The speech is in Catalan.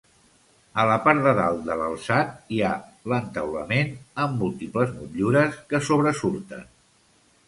A la part de dalt de l'alçat hi ha l'entaulament, amb múltiples motllures que sobresurten.